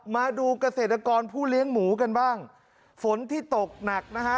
มาดูเกษตรกรผู้เลี้ยงหมูกันบ้างฝนที่ตกหนักนะฮะ